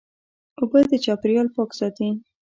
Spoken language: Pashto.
اوبه د چاپېریال پاک ساتي.